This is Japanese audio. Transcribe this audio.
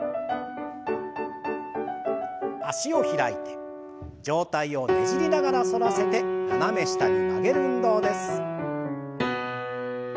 脚を開いて上体をねじりながら反らせて斜め下に曲げる運動です。